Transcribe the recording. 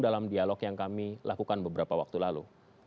dalam dialog yang kami lakukan beberapa waktu lalu